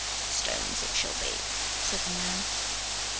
"Stones it shall be," said the man.